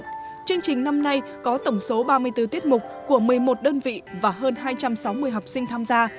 chương trình năm nay có tổng số ba mươi bốn tiết mục của một mươi một đơn vị và hơn hai trăm sáu mươi học sinh tham gia